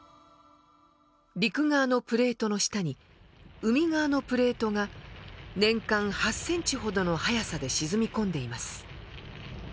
陸側のプレートの下に海側のプレートが年間８センチほどの速さで沈み込んでいます。